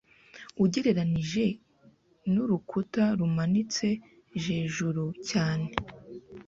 ugereranije nurukuta rumanitse jejuru cyane